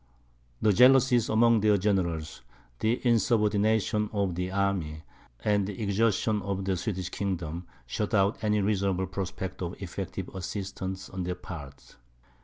The jealousies among their generals, the insubordination of the army, and the exhaustion of the Swedish kingdom, shut out any reasonable prospect of effective assistance on their part.